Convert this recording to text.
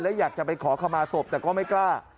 และอยากจะไปขอขมาศพแต่ก็ไม่กล้า